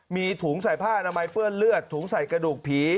มีถุงใส่ผ้าอนามัยเปื้อนเลือดถุงใส่กระดูกผี